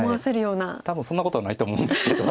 多分そんなことないと思うんですけど。